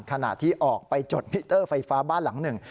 ขณะที่ออกไปจดมิเตอร์ไฟฟ้าบ้านหลังหนึ่ง